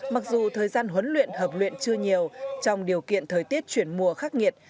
mặc dù thời gian huấn luyện hợp luyện chưa nhiều trong điều kiện thời tiết chuyển mùa khắc nghiệt